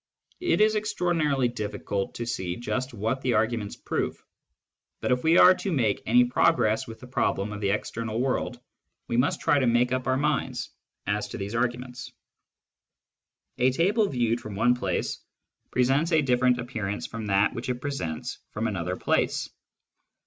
It is extraordinarily difficult to see just what the arguments prove ; but if we are to make any progress with the problem of the external world, we must try to make up our minds as to these arguments, A table viewed from one place presents a different appearance from that which it presents from another place.